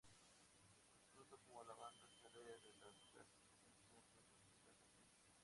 Tan pronto como la banda sale de las cajas, comienza a reproducirse la canción.